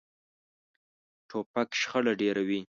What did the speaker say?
توپک شخړه ډېروي.